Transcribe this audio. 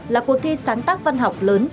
là cuộc thi sáng tác văn học lớn